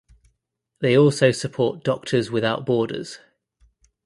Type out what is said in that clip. They also support Doctors Without Borders.